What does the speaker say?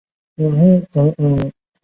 本区自创设以来都支持自民党。